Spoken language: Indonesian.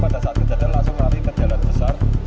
pada saat kejadian langsung lari ke jalan besar